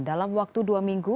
dalam waktu dua minggu